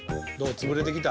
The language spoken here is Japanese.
つぶれてきた？